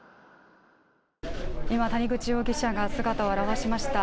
今、谷口容疑者が姿を現しました。